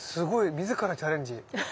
自らチャレンジ。